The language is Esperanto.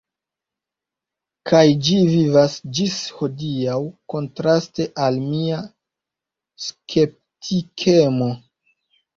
Kaj ĝi vivas ĝis hodiaŭ, kontraste al mia skeptikemo.